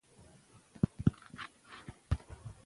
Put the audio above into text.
دواړه حکومتونه باید همکاري وکړي.